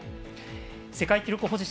世界記録保持者